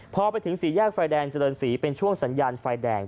พอไปถึงสี่แยกไฟแดงเจริญศรีเป็นช่วงสัญญาณไฟแดง